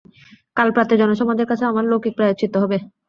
কাল প্রাতে জনসমাজের কাছে আমার লৌকিক প্রায়শ্চিত্ত হবে।